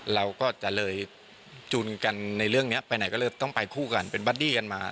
เราก็จะเลยจุนกันในเรื่องนี้ไปไหนก็เลยต้องไปคู่กันเป็นบัดดี้กันมา